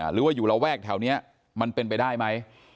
หรือว่าอยู่ระแวกแถวนี้มันเป็นไปได้ไหม